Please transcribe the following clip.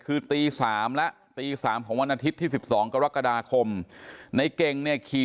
คือตี๓และตี๓ของวันอาทิตย์ที่๑๒กรกฎาคมในเก่งเนี่ยขี่